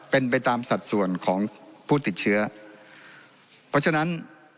เป็นไปตามสัดส่วนของผู้ติดเชื้อเพราะฉะนั้น